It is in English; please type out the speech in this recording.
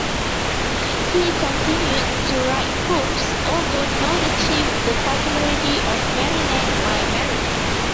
He continued to write poems, although none achieved the popularity of "Maryland, My Maryland".